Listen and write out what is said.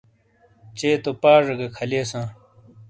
چے تو پاجے گہ کھَلئیساں۔